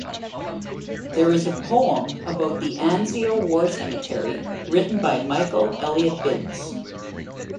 There is poem about the Anzio War Cemetery written by Michael Elliott-Binns.